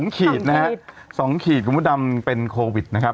๒ขีดนะครับ๒ขีดคุณพุทธดำเป็นโควิดนะครับ